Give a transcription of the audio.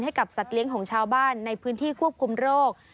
ให้กับสัตว์เลี้ยงของชาวบ้านในพื้นที่ควบคุมโรค